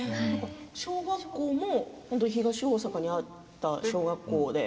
小学校も東大阪にあった小学校で。